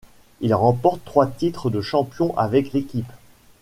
Il remporte trois titres de champion avec l'équipe.